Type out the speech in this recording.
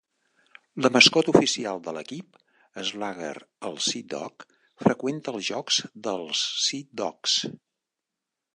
La mascota oficial de l'equip, Slugger el Sea Dog, freqüenta els jocs dels Sea Dogs.